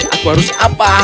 aku harus apa